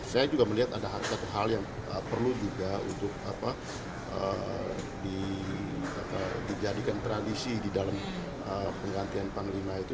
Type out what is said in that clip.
saya juga melihat ada satu hal yang perlu juga untuk dijadikan tradisi di dalam penggantian panglima itu